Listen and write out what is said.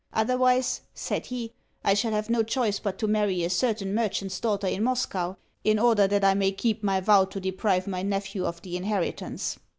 "Otherwise," said he, "I shall have no choice but to marry a certain merchant's daughter in Moscow, in order that I may keep my vow to deprive my nephew of the inheritance."